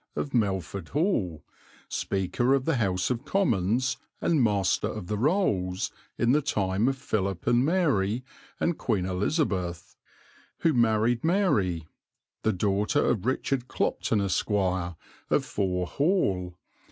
of Melford Hall, Speaker of the House of Commons and Master of the Rolls, in the time of Philip and Mary, and Queen Elizabeth," who married Mary, the daughter of Richard Clopton, Esq., of Fore Hall.